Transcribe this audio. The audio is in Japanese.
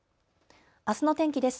あすの天気です。